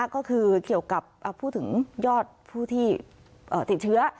ก็คือเกี่ยวกับพูดถึงยอดผู้ที่ติดเชื้อ